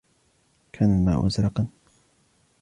كان الماء ازرقا